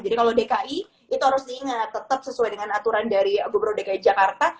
jadi kalau dki itu harus diingat tetap sesuai dengan aturan dari gubernur dki jakarta